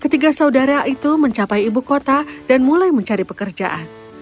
ketiga saudara itu mencapai ibu kota dan mulai mencari pekerjaan